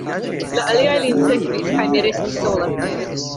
La aliaj lin sekvis, kaj mi restis sola.